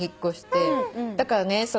だからね